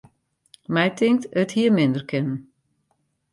My tinkt, it hie minder kinnen.